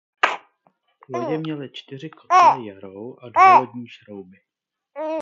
Lodě měly čtyři kotle Yarrow a dva lodní šrouby.